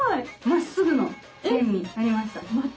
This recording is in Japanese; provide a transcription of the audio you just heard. まっすぐの線になりました。